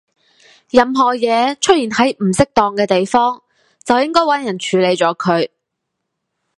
任何嘢出現喺唔適當嘅地方，就應該搵人處理咗佢